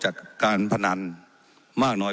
จากการพนันมากน้อย